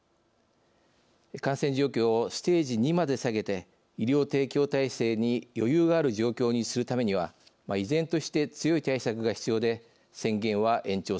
感染状況をステージ２まで下げて医療提供体制に余裕がある状況にするためには依然として強い対策が必要で宣言は延長されました。